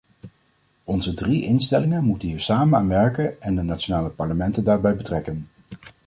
Onze drie instellingen moeten hier samen aan werken en de nationale parlementen daarbij betrekken.